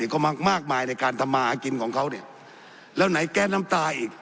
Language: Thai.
ก็มามากมายในการทำมาหากินของเขาเนี่ยแล้วไหนแก๊สน้ำตาอีก